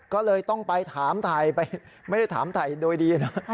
ก็เลยต้องไปถามไทยไม่ได้ถามไทยโดยดีนะ